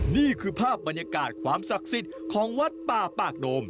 นี่คือภาพบรรยากาศความศักดิ์สิทธิ์ของวัดป่าปากโดม